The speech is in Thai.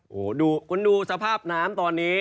โหดูสภาพน้ำตอนนี้